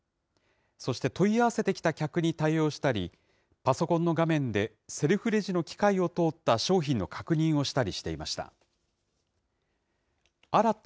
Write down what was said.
そして問い合わせてきた客に対応したり、パソコンの画面で、セルフレジの機械を通った商品の確認をしたりしていました。